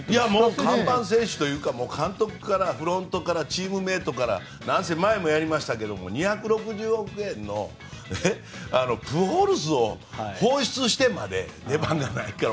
看板選手というか監督からフロントからチームメートからなんせ前もやりましたが２６０億円のプホルスを放出してまで出番がないから。